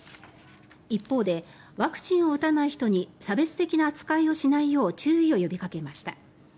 一方でワクチンを打たない人に差別的な扱いをしないよう注意を呼びかけました。